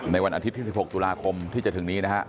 วันอาทิตย์ที่๑๖ตุลาคมที่จะถึงนี้นะฮะ